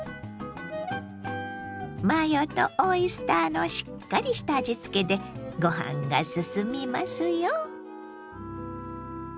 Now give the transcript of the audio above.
マヨとオイスターのしっかりした味付けでご飯がすすみますよ。